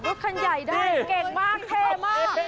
รถคันใหญ่ได้เก่งมากเท่มาก